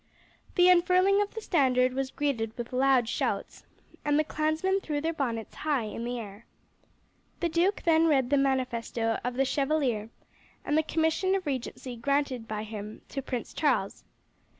The unfurling of the standard was greeted with loud shouts, and the clansmen threw their bonnets high in the air. The duke then read the manifesto of the Chevalier, and the commission of regency granted by him to Prince Charles.